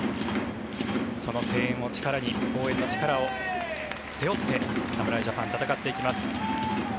その声援を力に応援の力を背負って侍ジャパン、戦っていきます。